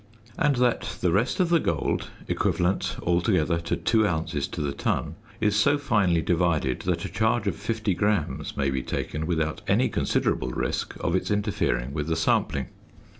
and that the rest of the gold, equivalent altogether to 2 ounces to the ton, is so finely divided that a charge of 50 grams may be taken without any considerable risk of its interfering with the sampling.